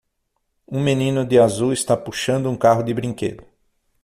Um menino de azul está puxando um carro de brinquedo.